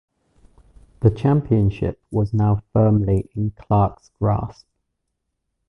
The championship was now firmly in Clark's grasp.